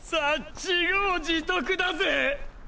自業自得だぜ！